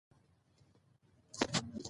ځمکه د افغانستان د طبیعي پدیدو یو رنګ دی.